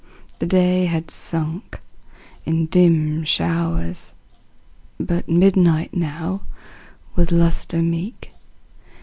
The day had sunk in dim showers, But midnight now, with lustre meet.